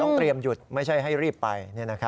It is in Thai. เตรียมหยุดไม่ใช่ให้รีบไป